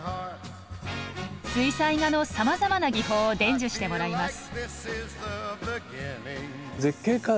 水彩画のさまざまな技法を伝授してもらいます。